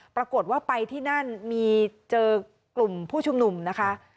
ปรากฏว่าไปที่นั่นมีเจอกลุ่มผู้ชุมนุมนะคะ